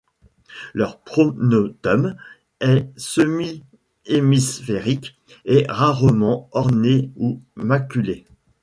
Leur pronotum est semi-hémisphérique, et rarement orné ou maculé.